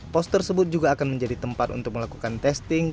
pos tersebut juga akan menjadi tempat untuk melakukan testing